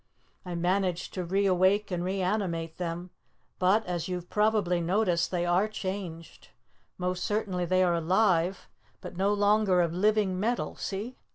"I managed to reawake and reanimate them, but, as you've probably noticed, they are changed. Most certainly they are alive, but no longer of living metal, see?